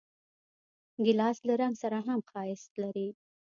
ګیلاس له رنګ سره هم ښایست لري.